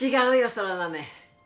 空豆